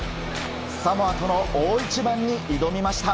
サモアとの大一番に挑みました。